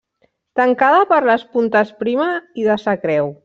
Tancada per les puntes Prima i de Sa Creu.